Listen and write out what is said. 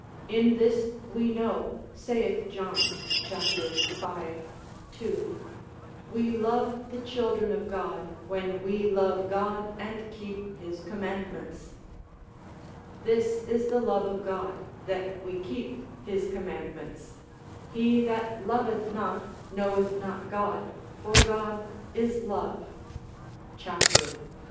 In this we know, saith John, c. v. 2, we love the children of God, when we love God and keep his commandments. This is the love of God, that we keep his commandments; he that loveth not, knoweth not God, for God is love, cap. iv.